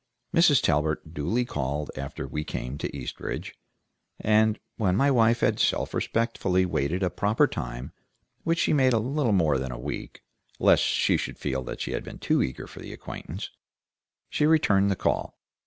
Mrs. Talbert duly called after We came to Eastridge, and when my wife had self respectfully waited a proper time, which she made a little more than a week lest she should feel that she had been too eager for the acquaintance, she returned the call.